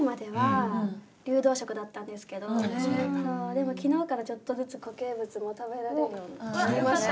でも昨日からちょっとずつ固形物も食べられるようになりました。